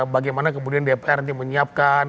bagaimana kemudian dpr nanti menyiapkan